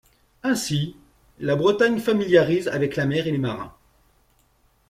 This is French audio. Ainsi, la Bretagne familiarise avec la mer et les marins.